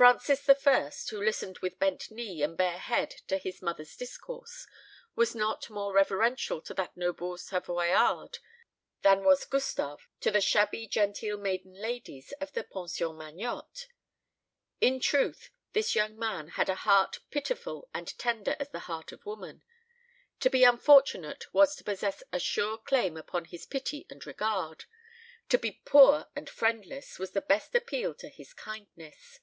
Francis the First, who listened with bent knee and bare head to his mother's discourse, was not more reverential to that noble Savoyarde than was Gustave to the shabby genteel maiden ladies of the Pension Magnotte. In truth, this young man had a heart pitiful and tender as the heart of woman. To be unfortunate was to possess a sure claim upon his pity and regard; to be poor and friendless was the best appeal to his kindness.